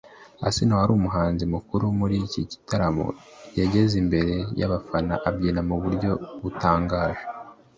Asinah wari umuhanzi mukuru muri iki gitaramo yageze imbere y’abafana abyina mu buryo butangaje